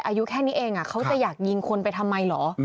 อายุแค่นี้เองเขาจะอยากยิงคนไปทำไมเหรอ